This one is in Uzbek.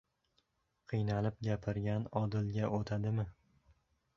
— Qiynalib gapirgan odilga o‘tadimi?